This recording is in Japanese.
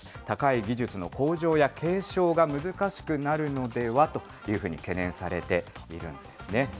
高い技術の向上や継承が難しくなるのではというふうに懸念されているんですね。